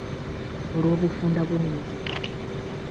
Olw’obufunda bw’emizigo.